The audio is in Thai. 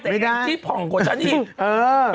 แต่ที่ผ่องกว่าฉันอีก